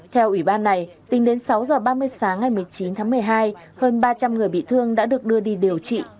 theo ủy ban này tính đến sáu h ba mươi sáng ngày một mươi chín tháng một mươi hai hơn ba trăm linh người bị thương đã được đưa đi điều trị